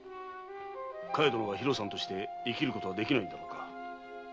かや殿はひろさんとして生きることはできないんだろうか？